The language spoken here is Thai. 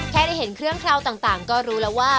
แค่ได้เห็นเครื่องเคราะห์ต่างก็รู้แล้วว่า